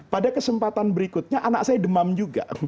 pada kesempatan berikutnya anak saya demam juga